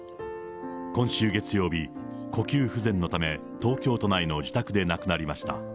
今週月曜日、呼吸不全のため、東京都内の自宅で亡くなりました。